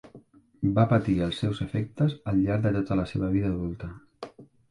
Va patir els seus efectes al llarg de tota la seva vida adulta.